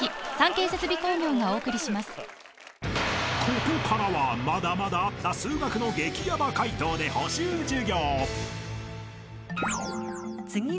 ［ここからはまだまだあった数学の激ヤバ解答で補習授業］